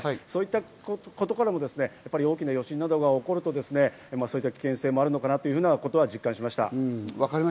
そういったことからも大きな余震などが起こると、こういった危険性もあるのかなということは実感しました。